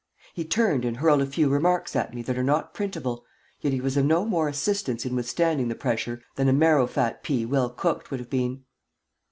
He turned and hurled a few remarks at me that are not printable, yet he was of no more assistance in withstanding the pressure than a marrowfat pea well cooked would have been.